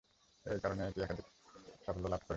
এ কারণে এটি অধিকতর সাফল্যলাভ করে।